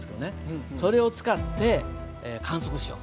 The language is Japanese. それを使って観測しようと。